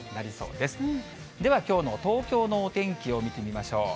ではきょうの東京のお天気を見てみましょう。